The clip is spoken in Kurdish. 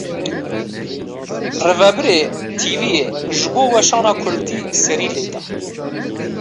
Rivebirê tv yê, ji bo weşana Kurdî serî lê da